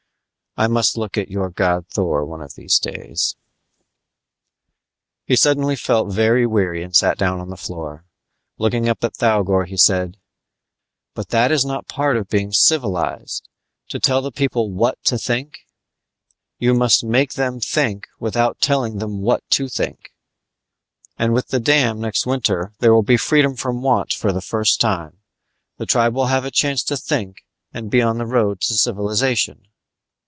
I must look at your god Thor one of these days _ He suddenly felt very weary and sat down on the floor; looking up at Thougor, he said, "But that is not part of being civilized, to tell the people what to think. You must make them think without telling them what to think. And with the dam, next winter there will be freedom from want for the first time. The tribe will have a chance to think and be on the road to civilization."